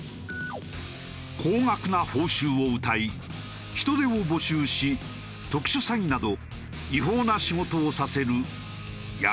高額な報酬をうたい人手を募集し特殊詐欺など違法な仕事をさせる闇バイト。